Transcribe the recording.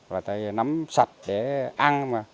và tại vì nấm sạch để ăn mà